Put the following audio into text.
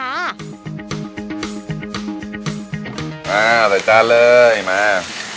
อ่าใส่จานเลยมา